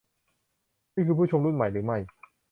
นี่คือผู้ชมรุ่นใหม่หรือไม่